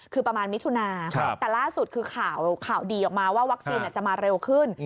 คือประมาณมิถุนาแต่ล่าสุดคือข่าวดีออกมาว่าวัคซีนจะมาเร็วขึ้น